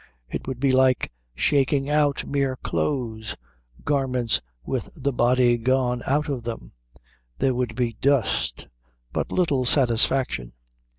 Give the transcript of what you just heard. It would be like shaking out mere clothes, garments with the body gone out of them; there would be dust, but little satisfaction.